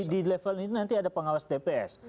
di level ini nanti ada pengawas tps